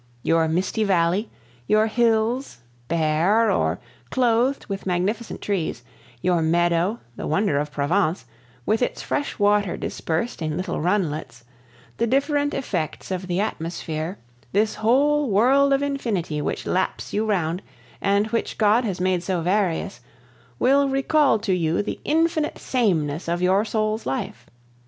Your misty valley, your hills, bare or clothed with magnificent trees, your meadow, the wonder of Provence, with its fresh water dispersed in little runlets, the different effects of the atmosphere, this whole world of infinity which laps you round, and which God has made so various, will recall to you the infinite sameness of your soul's life.